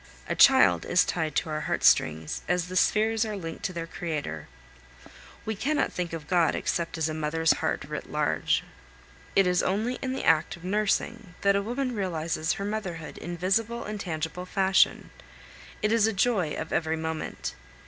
A child is tied to our heart strings, as the spheres are linked to their creator; we cannot think of God except as a mother's heart writ large. It is only in the act of nursing that a woman realizes her motherhood in visible and tangible fashion; it is a joy of every moment.